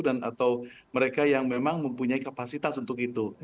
atau mereka yang memang mempunyai kapasitas untuk itu